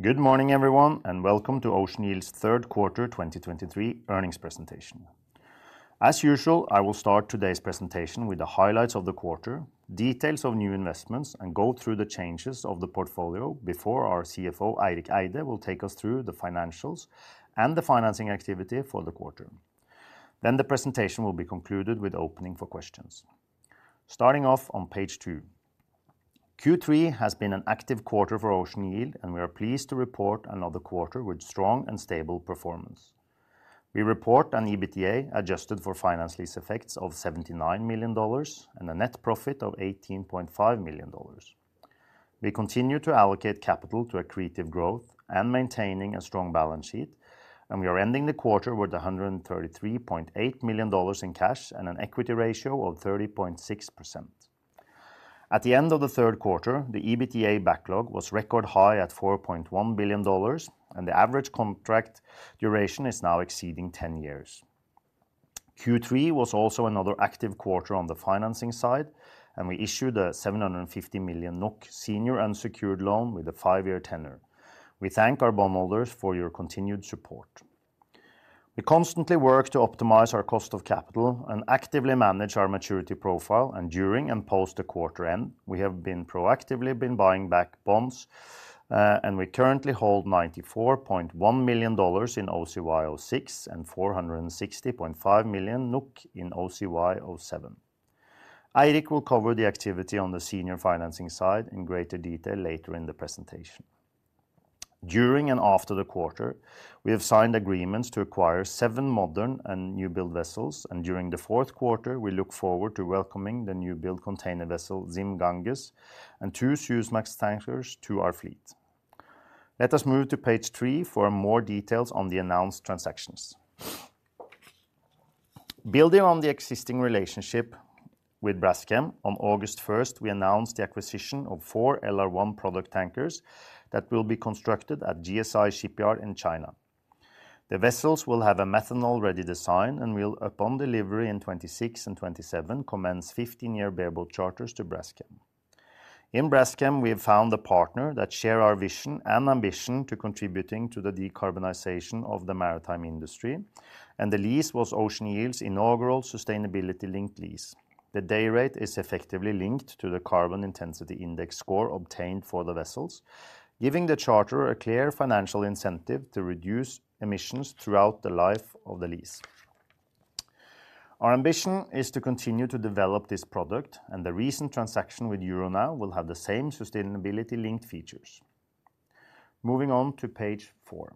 Good morning, everyone, and welcome to Ocean Yield's third quarter 2023 earnings presentation. As usual, I will start today's presentation with the highlights of the quarter, details of new investments, and go through the changes of the portfolio before our CFO, Eirik Eide, will take us through the financials and the financing activity for the quarter. Then the presentation will be concluded with opening for questions. Starting off on page 2. Q3 has been an active quarter for Ocean Yield, and we are pleased to report another quarter with strong and stable performance. We report an EBITDA adjusted for finance lease effects of $79 million and a net profit of $18.5 million. We continue to allocate capital to accretive growth and maintaining a strong balance sheet, and we are ending the quarter with $133.8 million in cash and an equity ratio of 30.6%. At the end of the third quarter, the EBITDA backlog was record high at $4.1 billion, and the average contract duration is now exceeding 10 years. Q3 was also another active quarter on the financing side, and we issued a 750 million NOK senior unsecured loan with a five-year tenor. We thank our bondholders for your continued support. We constantly work to optimize our cost of capital and actively manage our maturity profile, and during and post the quarter end, we have been proactively buying back bonds, and we currently hold $94.1 million in OCY06 and 460.5 million NOK in OCY07. Eirik will cover the activity on the senior financing side in greater detail later in the presentation. During and after the quarter, we have signed agreements to acquire seven modern and newbuild vessels, and during the fourth quarter, we look forward to welcoming the newbuild container vessel, ZIM Ganges, and two Suezmax tankers to our fleet. Let us move to page three for more details on the announced transactions. Building on the existing relationship with Braskem, on August 1, we announced the acquisition of 4 LR1 product tankers that will be constructed at GSI Shipyard in China. The vessels will have a methanol-ready design and will, upon delivery in 2026 and 2027, commence 15-year bareboat charters to Braskem. In Braskem, we have found a partner that share our vision and ambition to contributing to the decarbonization of the maritime industry, and the lease was Ocean Yield's inaugural sustainability linked lease. The day rate is effectively linked to the Carbon Intensity Index score obtained for the vessels, giving the charter a clear financial incentive to reduce emissions throughout the life of the lease. Our ambition is to continue to develop this product, and the recent transaction with Euronav will have the same sustainability linked features. Moving on to page 4.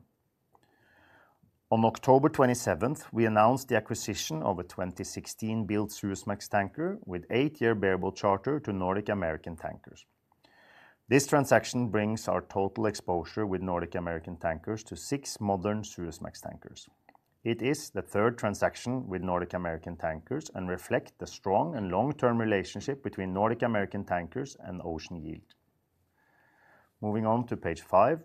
On October 27th, we announced the acquisition of a 2016-built Suezmax tanker with 8-year bareboat charter to Nordic American Tankers. This transaction brings our total exposure with Nordic American Tankers to 6 modern Suezmax tankers. It is the 3rd transaction with Nordic American Tankers and reflect the strong and long-term relationship between Nordic American Tankers and Ocean Yield. Moving on to page 5.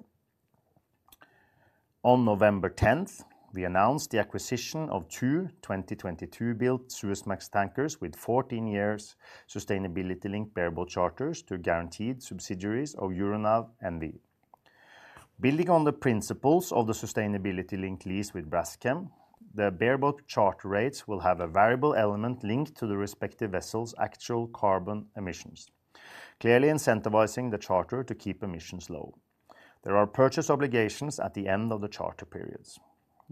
On November 10th, we announced the acquisition of two 2022-built Suezmax tankers with 14 years sustainability-linked bareboat charters to guaranteed subsidiaries of Euronav NV. Building on the principles of the sustainability-linked lease with Braskem, the bareboat charter rates will have a variable element linked to the respective vessel's actual carbon emissions, clearly incentivizing the charter to keep emissions low. There are purchase obligations at the end of the charter periods.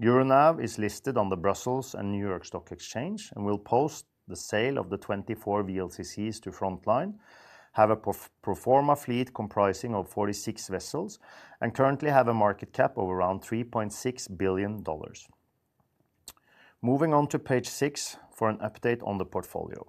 Euronav is listed on the Brussels and New York Stock Exchange and will post the sale of the 24 VLCCs to Frontline, have a pro forma fleet comprising of 46 vessels, and currently have a market cap of around $3.6 billion. Moving on to page six for an update on the portfolio.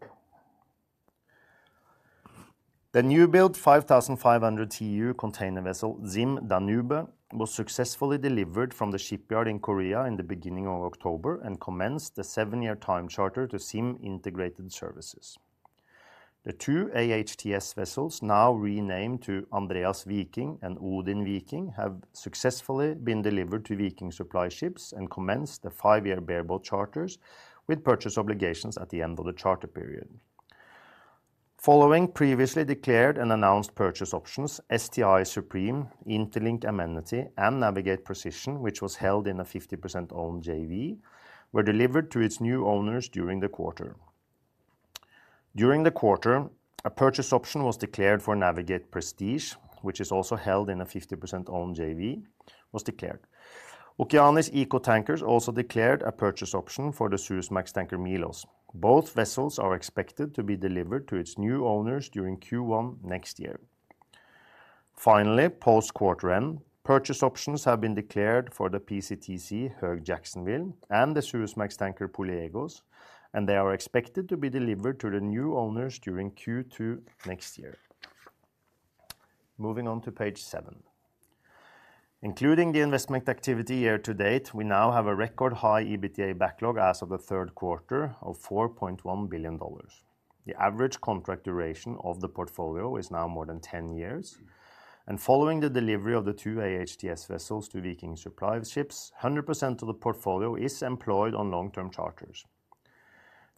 The new build 5,500 TEU container vessel, ZIM Danube, was successfully delivered from the shipyard in Korea in the beginning of October and commenced the 7-year time charter to ZIM Integrated Shipping Services. The two AHTS vessels, now renamed to Andreas Viking and Odin Viking, have successfully been delivered to Viking Supply Ships and commenced the 5-year bareboat charters with purchase obligations at the end of the charter period. Following previously declared and announced purchase options, STI Supreme, Interlink Amenity, and Navig8 Precision, which was held in a 50% owned JV, were delivered to its new owners during the quarter. During the quarter, a purchase option was declared for Navig8 Prestige, which is also held in a 50% owned JV. Okeanis Eco Tankers also declared a purchase option for the Suezmax tanker, Milos. Both vessels are expected to be delivered to its new owners during Q1 next year. Finally, post quarter end, purchase options have been declared for the PCTC Höegh Jacksonville and the Suezmax tanker, Poliegos, and they are expected to be delivered to the new owners during Q2 next year. Moving on to page 7. Including the investment activity year-to-date, we now have a record high EBITDA backlog as of the third quarter of $4.1 billion. The average contract duration of the portfolio is now more than 10 years, and following the delivery of the two AHTS vessels to Viking Supply Ships, 100% of the portfolio is employed on long-term charters.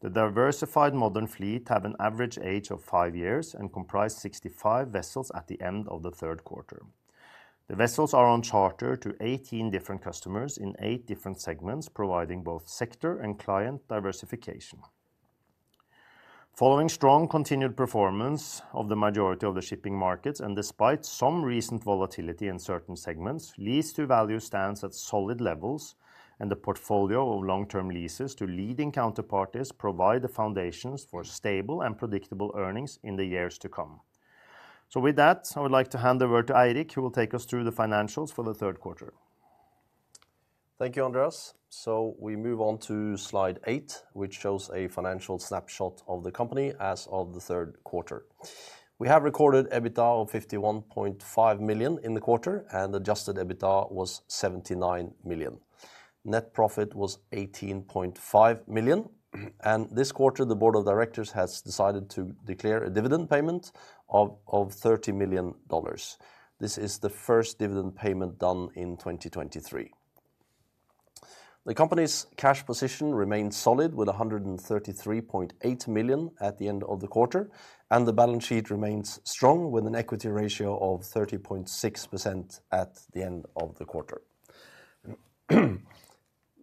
The diversified modern fleet have an average age of 5 years and comprise 65 vessels at the end of the third quarter. The vessels are on charter to 18 different customers in 8 different segments, providing both sector and client diversification. Following strong continued performance of the majority of the shipping markets, and despite some recent volatility in certain segments, lease to value stands at solid levels, and the portfolio of long-term leases to leading counterparties provide the foundations for stable and predictable earnings in the years to come. So with that, I would like to hand over to Eirik, who will take us through the financials for the third quarter. Thank you, Andreas. So we move on to slide 8, which shows a financial snapshot of the company as of the third quarter. We have recorded EBITDA of $51.5 million in the quarter, and adjusted EBITDA was $79 million. Net profit was $18.5 million, and this quarter, the board of directors has decided to declare a dividend payment of, of $30 million dollars. This is the first dividend payment done in 2023. The company's cash position remains solid, with $133.8 million at the end of the quarter, and the balance sheet remains strong, with an equity ratio of 30.6% at the end of the quarter.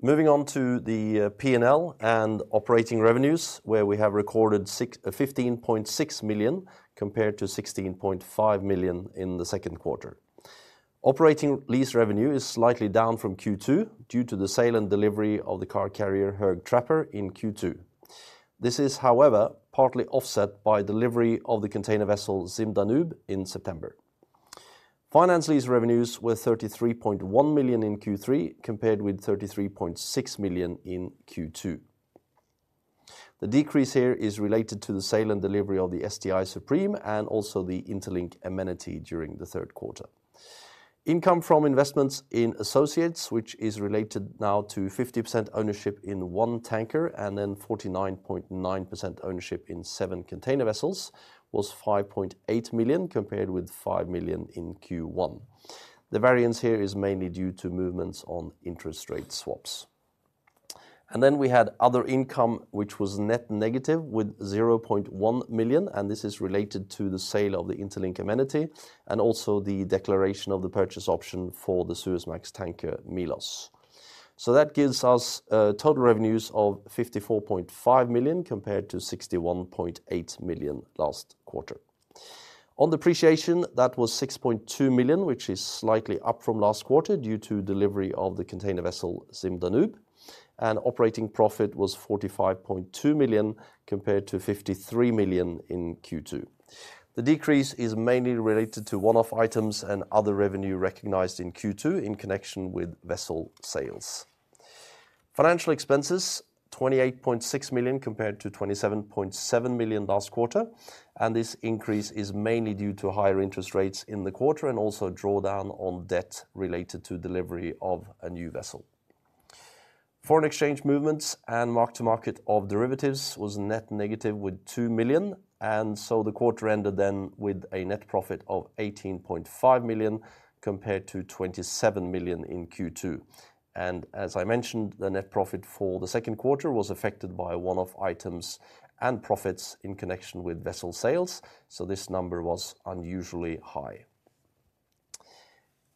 Moving on to the P&L and operating revenues, where we have recorded 615.6 million, compared to $16.5 million in the second quarter. Operating lease revenue is slightly down from Q2 due to the sale and delivery of the car carrier, Höegh Trapper, in Q2. This is, however, partly offset by delivery of the container vessel, ZIM Danube, in September. Finance lease revenues were $33.1 million in Q3, compared with $33.6 million in Q2. The decrease here is related to the sale and delivery of the STI Supreme and also the Interlink Amenity during the third quarter. Income from investments in associates, which is related now to 50% ownership in one tanker and then 49.9% ownership in seven container vessels, was $5.8 million, compared with $5 million in Q1. The variance here is mainly due to movements on interest rate swaps. Then we had other income, which was net negative with $0.1 million, and this is related to the sale of the Interlink Amenity and also the declaration of the purchase option for the Suezmax tanker, Milos. So that gives us total revenues of $54.5 million, compared to $61.8 million last quarter. On depreciation, that was $6.2 million, which is slightly up from last quarter due to delivery of the container vessel, ZIM Danube, and operating profit was $45.2 million, compared to $53 million in Q2. The decrease is mainly related to one-off items and other revenue recognized in Q2 in connection with vessel sales. Financial expenses, $28.6 million, compared to $27.7 million last quarter, and this increase is mainly due to higher interest rates in the quarter and also draw down on debt related to delivery of a new vessel. Foreign exchange movements and mark-to-market of derivatives was net negative with $2 million, and so the quarter ended then with a net profit of $18.5 million, compared to $27 million in Q2. And as I mentioned, the net profit for the second quarter was affected by one-off items and profits in connection with vessel sales, so this number was unusually high.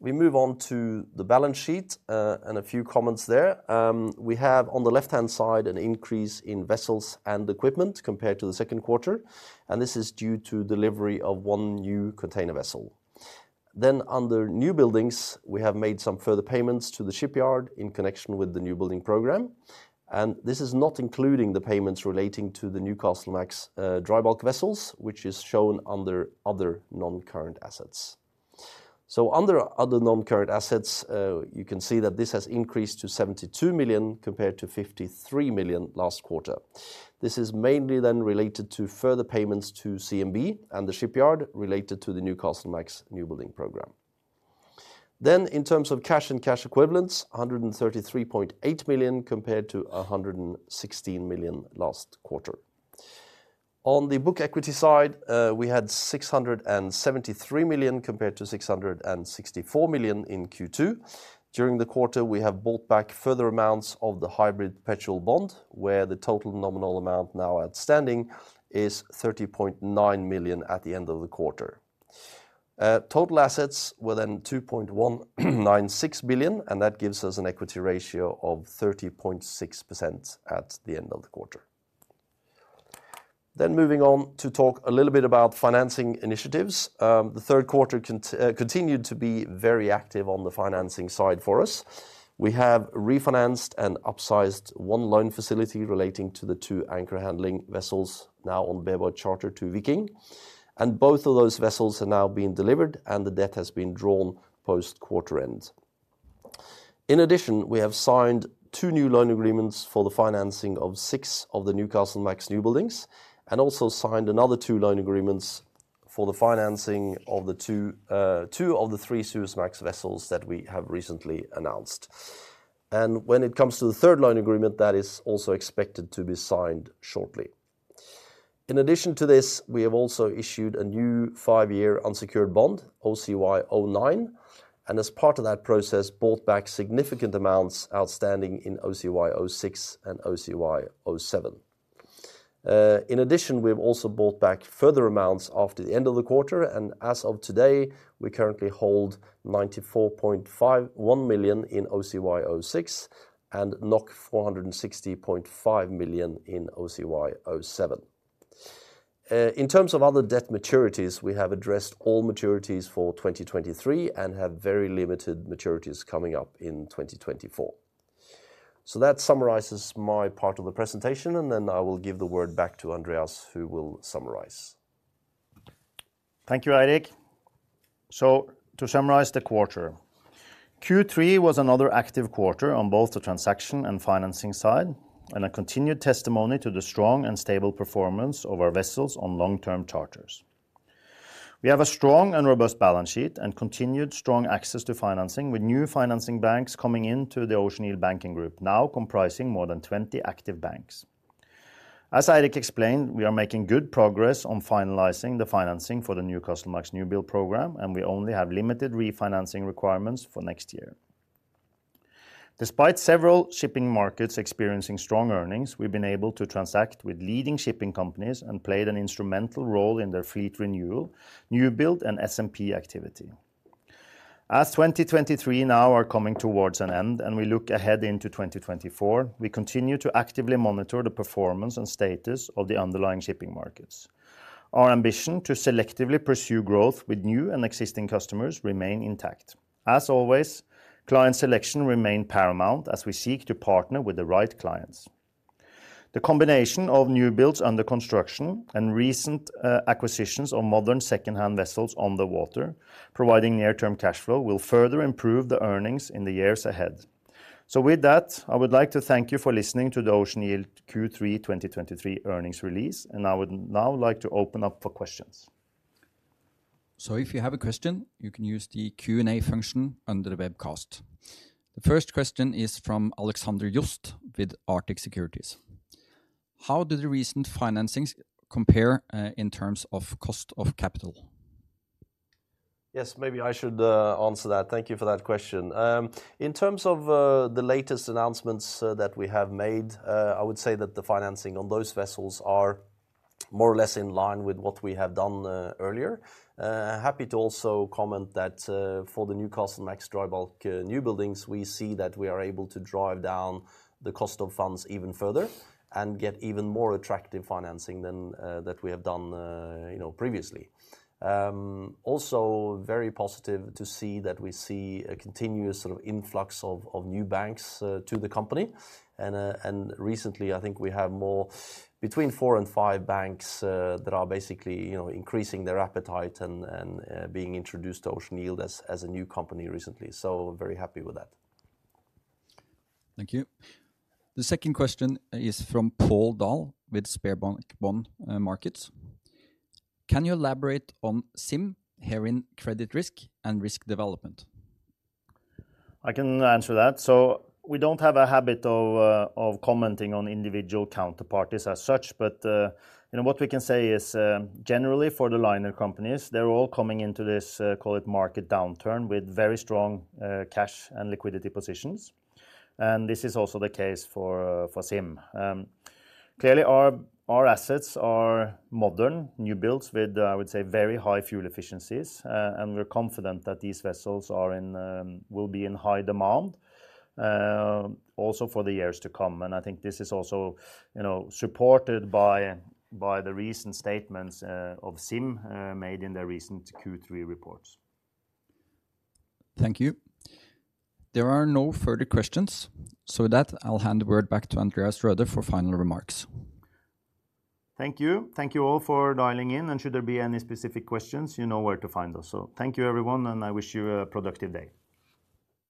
We move on to the balance sheet, and a few comments there. We have, on the left-hand side, an increase in vessels and equipment compared to the second quarter, and this is due to delivery of one new container vessel. Then under newbuildings, we have made some further payments to the shipyard in connection with the newbuilding program, and this is not including the payments relating to the Newcastlemax dry bulk vessels, which is shown under other non-current assets. So under other non-current assets, you can see that this has increased to $72 million, compared to $53 million last quarter. This is mainly then related to further payments to CMB and the shipyard related to the Newcastlemax newbuilding program. Then, in terms of cash and cash equivalents, $133.8 million, compared to $116 million last quarter. On the book equity side, we had $673 million, compared to $664 million in Q2. During the quarter, we have bought back further amounts of the hybrid perpetual bond, where the total nominal amount now outstanding is $30.9 million at the end of the quarter. Total assets were then $2.196 billion, and that gives us an equity ratio of 30.6% at the end of the quarter. Then moving on to talk a little bit about financing initiatives. The third quarter continued to be very active on the financing side for us. We have refinanced and upsized one loan facility relating to the two anchor handling vessels now on bareboat charter to Viking. And both of those vessels are now being delivered, and the debt has been drawn post-quarter end. In addition, we have signed 2 new loan agreements for the financing of 6 of the Newcastlemax newbuildings, and also signed another 2 loan agreements for the financing of the 2 of the 3 Suezmax vessels that we have recently announced. When it comes to the third loan agreement, that is also expected to be signed shortly. In addition to this, we have also issued a new 5-year unsecured bond, OCY09, and as part of that process, bought back significant amounts outstanding in OCY06 and OCY07. In addition, we've also bought back further amounts after the end of the quarter, and as of today, we currently hold 94.51 million in OCY06 and 460.5 million in OCY07. In terms of other debt maturities, we have addressed all maturities for 2023 and have very limited maturities coming up in 2024. So that summarizes my part of the presentation, and then I will give the word back to Andreas, who will summarize. Thank you, Eirik. To summarize the quarter, Q3 was another active quarter on both the transaction and financing side, and a continued testimony to the strong and stable performance of our vessels on long-term charters. We have a strong and robust balance sheet and continued strong access to financing, with new financing banks coming into the Ocean Yield banking group, now comprising more than 20 active banks. As Eirik explained, we are making good progress on finalizing the financing for the new Newcastlemax newbuild program, and we only have limited refinancing requirements for next year. Despite several shipping markets experiencing strong earnings, we've been able to transact with leading shipping companies and played an instrumental role in their fleet renewal, newbuild, and S&P activity. As 2023 now are coming towards an end and we look ahead into 2024, we continue to actively monitor the performance and status of the underlying shipping markets. Our ambition to selectively pursue growth with new and existing customers remain intact. As always, client selection remain paramount as we seek to partner with the right clients. The combination of new builds under construction and recent acquisitions of modern secondhand vessels on the water, providing near-term cash flow, will further improve the earnings in the years ahead. So with that, I would like to thank you for listening to the Ocean Yield Q3 2023 earnings release, and I would now like to open up for questions. So if you have a question, you can use the Q&A function under the webcast. The first question is from Alexander Jost with Arctic Securities: How do the recent financings compare in terms of cost of capital? Yes, maybe I should answer that. Thank you for that question. In terms of the latest announcements that we have made, I would say that the financing on those vessels are more or less in line with what we have done earlier. Happy to also comment that for the Newcastlemax dry bulk newbuildings, we see that we are able to drive down the cost of funds even further and get even more attractive financing than that we have done, you know, previously. Also very positive to see that we see a continuous sort of influx of new banks to the company. Recently, I think we have more between four and five banks that are basically, you know, increasing their appetite and being introduced to Ocean Yield as a new company recently. So very happy with that. Thank you. The second question is from Pål Dahl with SpareBank 1 Markets. Can you elaborate on ZIM here in credit risk and risk development? I can answer that. So we don't have a habit of commenting on individual counterparties as such, but you know, what we can say is generally, for the liner companies, they're all coming into this call it market downturn with very strong cash and liquidity positions, and this is also the case for ZIM. Clearly our assets are modern new builds with I would say very high fuel efficiencies, and we're confident that these vessels will be in high demand also for the years to come. And I think this is also you know supported by the recent statements of ZIM made in their recent Q3 reports. Thank you. There are no further questions. With that, I'll hand the word back to Andreas Røde for final remarks. Thank you. Thank you all for dialing in, and should there be any specific questions, you know where to find us. So thank you, everyone, and I wish you a productive day.